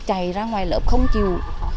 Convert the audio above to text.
dạy ra ngoài lớp không chịu